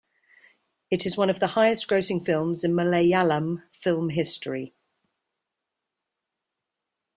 It is one of the highest-grossing films in Malayalam film history.